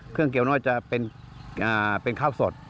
เครื่องเกี่ยวนวดจะเป็นข้าวสด